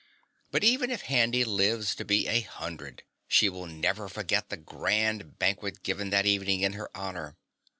But even if Handy lives to be a hundred, she will never forget the grand banquet given that evening in her honor.